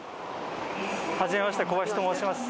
初めまして小林と申します。